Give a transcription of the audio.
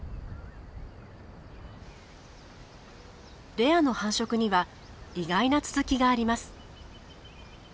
レアの繁殖には意外な続きがあります。